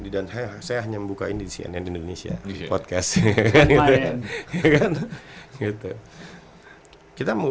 dan saya hanya membukain di cnn indonesia podcast